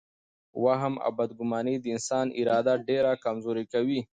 وهم او بدګماني د انسان اراده ډېره کمزورې کوي.